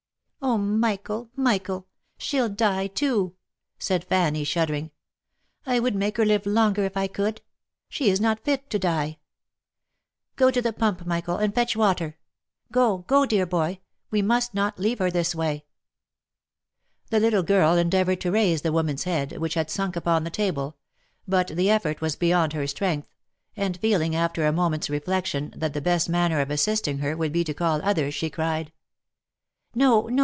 " Oh ! Michael! Michael! she'll die too !" said Fanny shuddering. " I would make her live longer if I could. She is not fit to die. Go to the pump, Michael, and fetch water ! Go, go, dear boy. We must not leave her this way !" The little girl endeavoured to raise the woman's head, which had sunk upon the table, but the effort was beyond her strength, and feel ing after a moment's reflection that the best manner of assisting her, would be to call others, she cried, " No, no